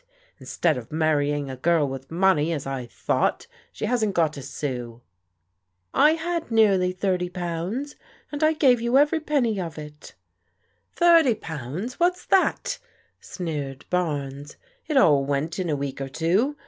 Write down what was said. " Instead of marrying a girl with money, as I thought, she hasn't got a sou." "I had nearly thirty pounds, and I gave you every penny of it." «55 256 PBODIGAL DAUGHTERS "Thirty pounds! What's that?" sneered Bamcs. •* It all went in a week or two.